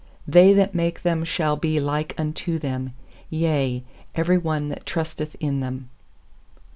They that make them shall be like unto them; Yea, every one that trusteth in them.